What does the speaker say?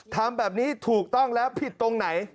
ทำแบบนี้ถูกต้องแล้วผิดตรงไหน